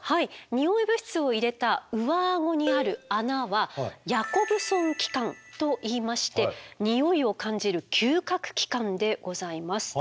ニオイ物質を入れた上アゴにある穴はヤコブソン器官といいましてニオイを感じる嗅覚器官でございます。